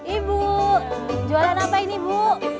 ibu jualan apa ini bu